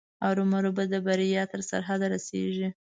ارومرو به د بریا تر سرحده رسېږي.